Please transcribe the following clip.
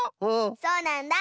そうなんだ！